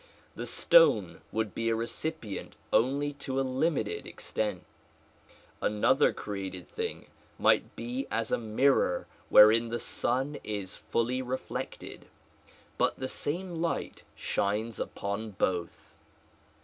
The stone would be a recipient only to a limited extent ; another created thing might be as a mirror wherein the sun is fully reflected ; but the same light shines upon both.